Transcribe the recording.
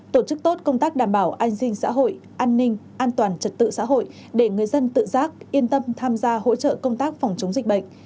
tổ chức tốt công tác đảm bảo an sinh xã hội an ninh an toàn trật tự xã hội để người dân tự giác yên tâm tham gia hỗ trợ công tác phòng chống dịch bệnh